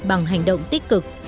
bằng hành động tích cực